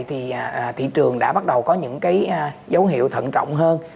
thì thị trường đã bắt đầu có những cái dấu hiệu thận trọng hơn